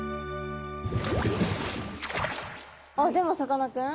あっでもさかなクン。